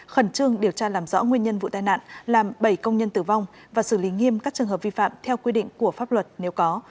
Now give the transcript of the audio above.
khẩn trương điều tra làm rõ nguyên nhân vụ tai nạn làm bảy công nhân tử vong và xử lý nghiêm các trường hợp vi phạm theo quy định của pháp luật nếu có